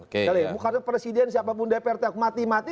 karena presiden siapapun dprt hukuman mati mati